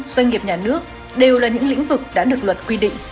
doanh nghiệp nhà nước đều là những lĩnh vực đã được luật quy định